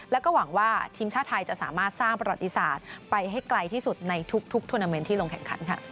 แล้วก็หวังว่าทีมชาติไทยจะสามารถสร้างประวัติศาสตร์ไปให้ไกลที่สุดในทุกทวนาเมนต์ที่ลงแข่งขัน